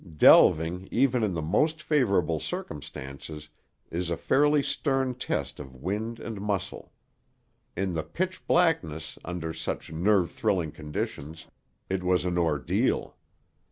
Delving, even in the most favorable circumstances, is a fairly stern test of wind and muscle. In the pitch blackness, under such nerve thrilling conditions, it was an ordeal.